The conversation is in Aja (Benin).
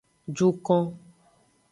Jukon.